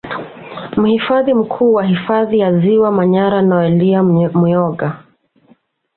Mhifadhi Mkuu wa Hifadhi ya Ziwa Manyara Noelia Myonga